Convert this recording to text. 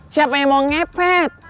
siapa yang mau ngepet